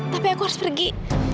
tapi aku harus pergi